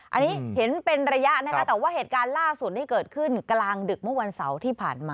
อันนี้เห็นเป็นระยะนะคะแต่ว่าเหตุการณ์ล่าสุดที่เกิดขึ้นกลางดึกเมื่อวันเสาร์ที่ผ่านมา